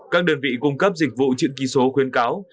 các đơn vị cung cấp dịch vụ chữ ký số khuyến cáo